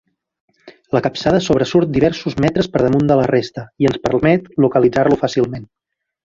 La capçada sobresurt diversos metres per damunt de la resta i ens permet localitzar-lo fàcilment.